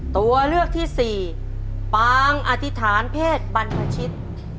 ตัวเลือกที่สี่ปางอธิษฐานเพศบรรพชิต